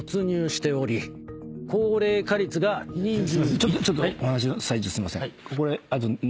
ちょっとちょっとお話の最中すいません。